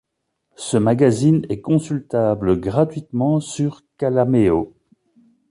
Ce magazine est consultable gratuitement sur Calameo.